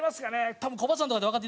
多分コバさんとかねわかって。